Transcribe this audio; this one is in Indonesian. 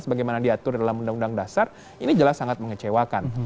sebagaimana diatur dalam undang undang dasar ini jelas sangat mengecewakan